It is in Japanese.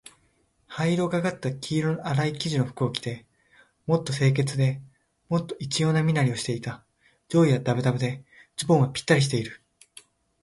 灰色がかった黄色のあらい生地の服を着て、もっと清潔で、もっと一様な身なりをしていた。上衣はだぶだぶで、ズボンはぴったりしている。